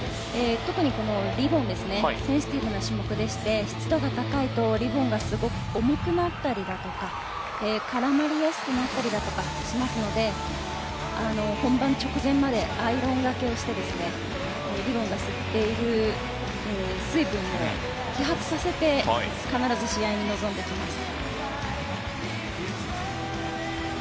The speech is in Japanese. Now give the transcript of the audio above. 特に、リボンはセンシティブな種目でして湿度が高いとリボンがすごく重くなったりだとか絡まりやすくなったりだとかしますので本番直前までアイロンがけをしてリボンが吸っている水分を揮発させて必ず試合に臨んでいきます。